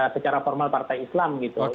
secara formal partai islam gitu